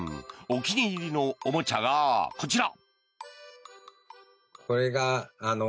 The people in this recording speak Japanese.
お気に入りのおもちゃがこちら。